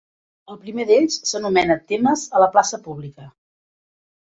El primer d'ells s'anomena Temes a la plaça pública.